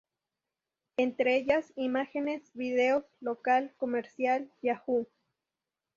Entre ellas imágenes, vídeos, local, comercial, Yahoo!